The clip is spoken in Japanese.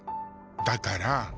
だから。